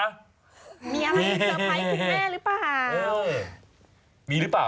มีอะไรจะเซอร์ไพรส์คุณแม่หรือเปล่า